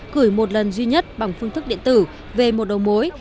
gửi một lần duy nhất bằng phương thức điện tử về một đầu mối